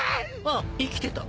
あっ生きてた。